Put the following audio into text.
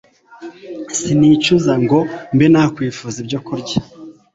Sinicuza ngo mbe nakwifuza ibyokurya